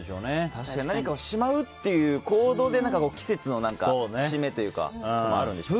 確かに何かをしまうという行動で節目というかもあるんでしょうね。